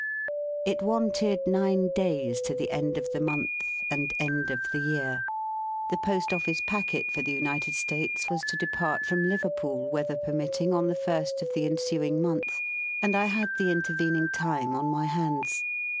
It wanted nine days to the end of the month, and end of the year. The Post office packet for the United States was to depart from Liverpool, weather permitting, on the first of the ensuing month, and I had the intervening time on my hands.